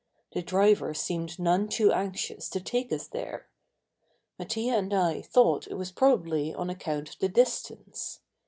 The driver seemed none too anxious to take us there. Mattia and I thought it was probably on account of the distance.